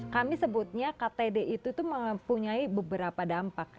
kami sebutnya ktd itu tuh mempunyai beberapa dampak